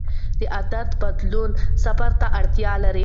د عادت بدلون صبر ته اړتیا لري.